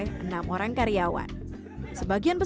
hellows bekerja luar negara